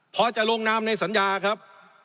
พอจะลงนามในสัญญาครับ